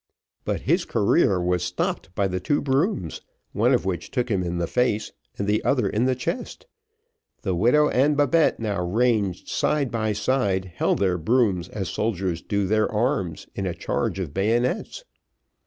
But his career was stopped by the two brooms, one of which took him in the face, and the other in the chest. The widow and Babette now ranged side by side, holding their brooms as soldiers do their arms in charge of bayonets.